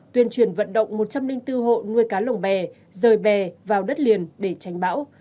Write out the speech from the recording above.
tuyên truyền vận động một trăm linh bốn hộ nuôi cá lồng bè rời bè vào đất liền để tránh bão